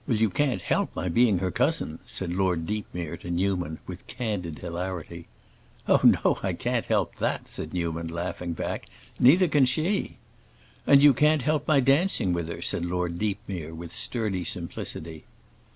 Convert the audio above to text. "Well, you can't help my being her cousin," said Lord Deepmere to Newman, with candid hilarity. "Oh, no, I can't help that," said Newman, laughing back; "neither can she!" "And you can't help my dancing with her," said Lord Deepmere, with sturdy simplicity.